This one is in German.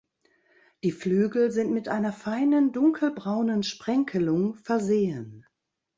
Die Flügel sind mit einer feinen dunkelbraunen Sprenkelung versehen.